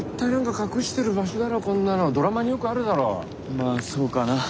まぁそうかな。